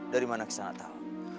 dari mana kesan atau